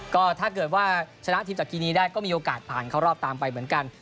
ก็ถ้าเกิดว่าชนะทีมจากกินีได้ก็มีโอกาสผ่านเข้ารอบตามไปเหมือนกัน